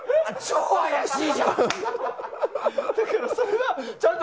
超怪しいじゃん！